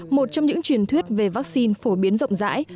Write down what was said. một trong những truyền thuyết về vaccine phổ biến rộng rãi